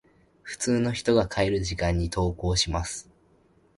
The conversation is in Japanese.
普通の人が帰る時間に登校します。